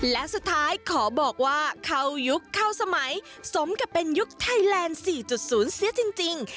และสุดท้ายขอบอกว่าเข้ายุคเข้าสมัยสมกับเป็นยุคไทยแลนด์๔๐เสียจริง